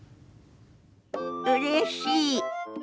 うれしい。